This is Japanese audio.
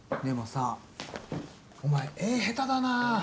でもさお前絵下手だな。